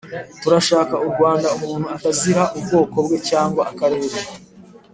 turashaka u rwanda umuntu atazira ubwoko bwe cyangwa akarere